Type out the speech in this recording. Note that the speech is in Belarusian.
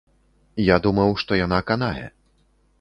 Я думаў, што яна канае.